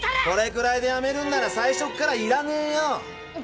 これくらいでやめるんなら最初からいらねえよ。